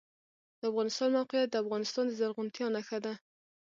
د افغانستان موقعیت د افغانستان د زرغونتیا نښه ده.